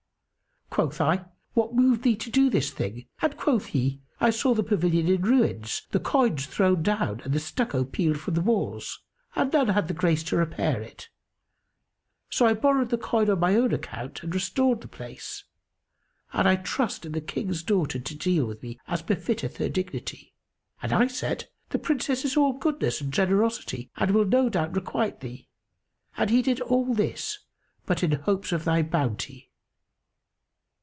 Quoth I, 'What moved thee to do this thing?'; and quoth he, 'I saw the pavilion in ruins, the coigns thrown down and the stucco peeled from the walls, and none had the grace to repair it; so I borrowed the coin on my own account and restored the place; and I trust in the King's daughter to deal with me as befitteth her dignity.' I said, 'The Princess is all goodness and generosity and will no doubt requite thee.' And he did all this but in hopes of thy bounty."